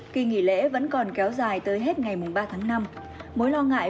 kỳ nghỉ lễ vẫn còn kéo dài tới hết ngày ba tháng năm